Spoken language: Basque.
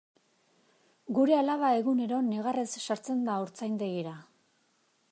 Gure alaba egunero negarrez sartzen da haurtzaindegira.